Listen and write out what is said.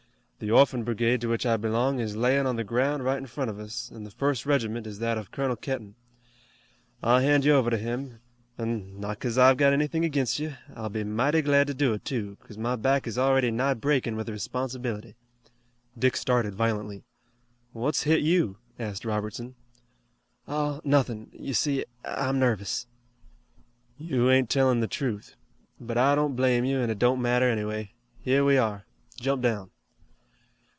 The Orphan Brigade to which I belong is layin' on the ground right in front of us, an' the first regiment is that of Colonel Kenton. I'll hand you over to him, an' not 'cause I've got anything ag'inst you I'll be mighty glad to do it, too, 'cause my back is already nigh breakin' with the responsibility." Dick started violently. "What's hit you?" asked Robertson. "Oh, nothing. You see, I'm nervous." "You ain't tellin' the truth. But I don't blame you an' it don't matter anyway. Here we are. Jump down."